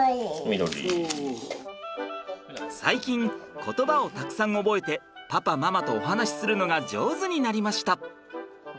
最近言葉をたくさん覚えてパパママとお話しするのが上手になりました。